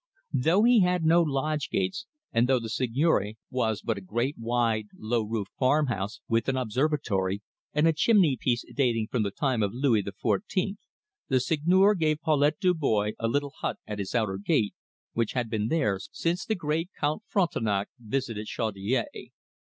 Though he had no lodge gates, and though the seigneury was but a great wide low roofed farmhouse, with an observatory, and a chimney piece dating from the time of Louis the Fourteenth, the Seigneur gave Paulette Dubois a little hut at his outer gate, which had been there since the great Count Frontenac visited Chaudiere.